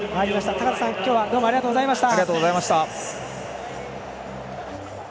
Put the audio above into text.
坂田さん、今日はどうもありがとうございました。